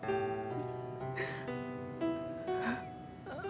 aku harus pergi dari rumah